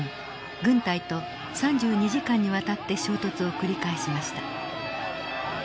軍隊と３２時間にわたって衝突を繰り返しました。